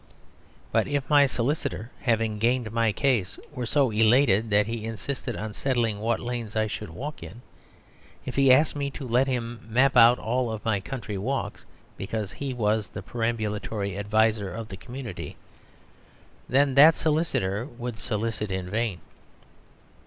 But if my solicitor, having gained my case, were so elated that he insisted on settling what lanes I should walk in; if he asked me to let him map out all my country walks, because he was the perambulatory adviser of the community then that solicitor would solicit in vain.